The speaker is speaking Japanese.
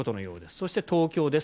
そして東京です。